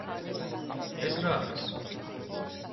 ეს რა არის?